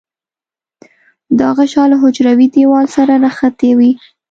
دا غشا له حجروي دیوال سره نښتې وي.